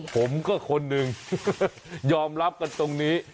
ผมก็คนหนึ่งยอมรับกันตรงนี้